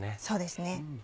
そうですね。